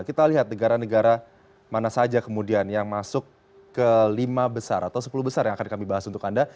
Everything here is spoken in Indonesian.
kita lihat negara negara mana saja kemudian yang masuk ke lima besar atau sepuluh besar yang akan kami bahas untuk anda